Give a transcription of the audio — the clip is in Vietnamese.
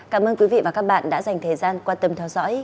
cảm ơn quý vị và các bạn đã dành thời gian quan tâm theo dõi